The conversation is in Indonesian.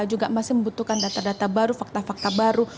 juga masih membutuhkan data data baru fakta fakta baru